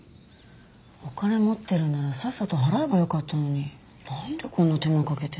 お金持ってるならさっさと払えばよかったのになんでこんな手間かけて。